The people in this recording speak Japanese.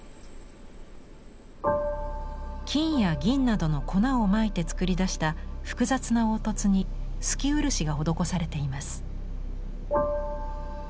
金や銀などの粉をまいて作りだした複雑な凹凸に透き漆が施されています。